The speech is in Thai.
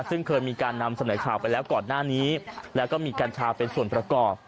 ซึ่งเคยมีการนำเสนอข่าวไปแล้วก่อนหน้านี้แล้วก็มีกัญชาเป็นส่วนประกอบ